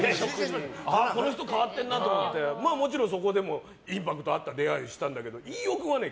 ああ、この人変わってるなと思ってもちろんそこでインパクトあった出会いしたんですけど飯尾君はね